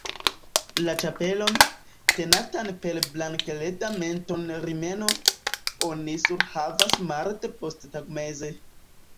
La ĉapelon, tenatan per blankleda mentonrimeno, oni surhavas marde posttagmeze.